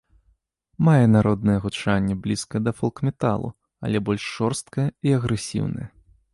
Мае народнае гучанне, блізкае да фолк-металу, але больш жорсткае і агрэсіўнае.